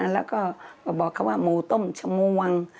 แล้วก็มาบอกเขาว่าหมูต้มชมวง